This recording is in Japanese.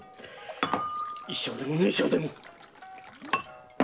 一升でも二升でも！